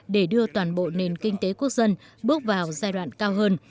để đưa toàn bộ nền kinh tế quốc dân bước vào giai đoạn cao hơn